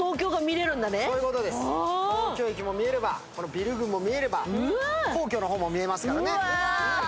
東京駅も見えればビル群も見えれば、皇居の方も見えますからね。